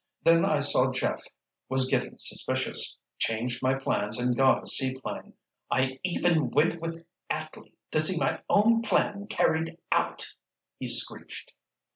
Then I saw Jeff was getting suspicious, changed my plans and got a seaplane. I even went with Atley to see my own plan carried out," he screeched.